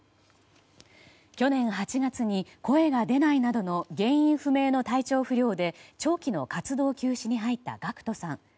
去年８月に声が出ないなどの原因不明の体調不良で長期の活動休止に入ったＧＡＣＫＴさん。